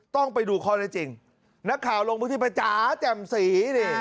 ต้องไปดูข้อได้จริงนักข่าวลงพื้นที่ไปจ๋าแจ่มสีนี่